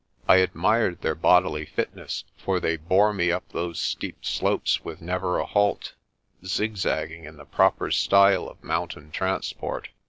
I admired their bodily fitness, for they bore me up those steep slopes with never a halt, zigzagging in the proper style of mountain transport.